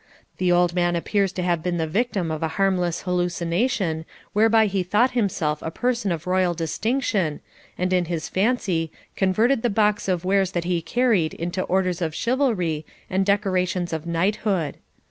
The old man appears to have been the victim of a harmless hallucination whereby he thought himself a person of Royal distinction and in his fancy converted the box of wares that he carried into Orders of Chivalry and decorations of Knighthood.